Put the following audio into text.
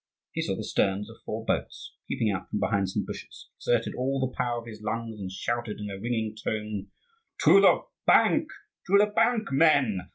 He saw the sterns of four boats peeping out from behind some bushes; exerted all the power of his lungs, and shouted in a ringing tone, "To the bank, to the bank, men!